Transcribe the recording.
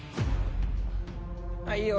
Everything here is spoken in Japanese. あっいいよ。